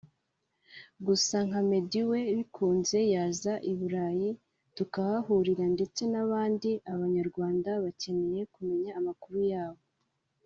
Gusa nka Meddy we bikunze yaza i Burayi tukahahurira ndetse n’abandi abanyarwanda bakeneye kumenya amakuru yabo